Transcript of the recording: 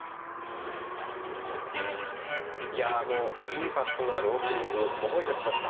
インパクトのあるオープニング、思い出しました。